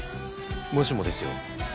もしもですよ。